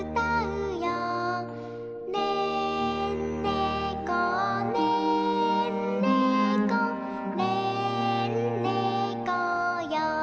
「ねんねこねんねこねんねこよ」